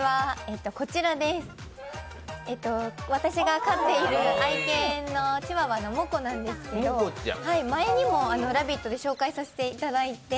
私が飼っている愛犬のチワワのモコなんですけど、前にも「ラヴィット！」で紹介させていただいて。